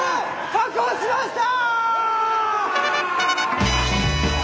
確保しました！